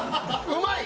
うまい。